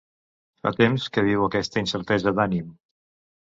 Fa temps que viu aquesta incertesa d'ànim.